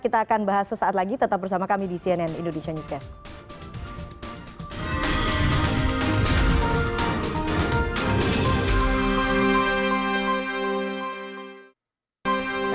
kita akan bahas sesaat lagi tetap bersama kami di cnn indonesia newscast